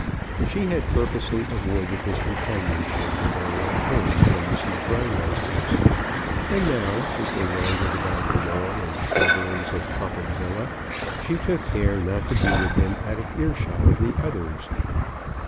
She had purposely avoided his companionship in their walk home from Mrs. Brownlow's house; and now, as they wandered about the lawn and shrubberies of Popham Villa, she took care not to be with him out of earshot of the others.